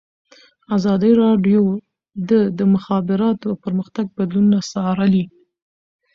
ازادي راډیو د د مخابراتو پرمختګ بدلونونه څارلي.